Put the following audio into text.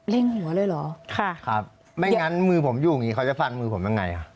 หัวเลยเหรอค่ะครับไม่งั้นมือผมอยู่อย่างงี้เขาจะฟันมือผมยังไงอ่ะ